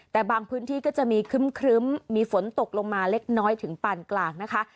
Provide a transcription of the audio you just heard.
แต่บางพื้นที่ก็จะมีครึ้มมีฝนตกลงมาเล็กน้อยถึงปานกลางนะคะ